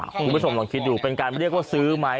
คุณผู้ชมลองคิดดูเป็นการเรียกว่าซื้อไหม